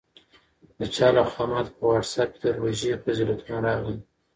د چا لخوا ماته په واټساپ کې د روژې فضیلتونه راغلل.